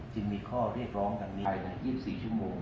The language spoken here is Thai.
จึงมีข้อเรียกร้องกันใน๒๔ชั่วโมง